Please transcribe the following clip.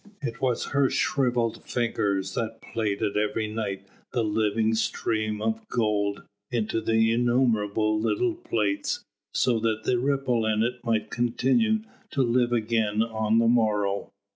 It was her shrivelled fingers that plaited every night the living stream of gold into innumerable little plaits, so that the ripple in it might continue to live again on the morrow.